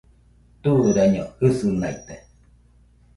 Turaɨriño jɨsɨnaite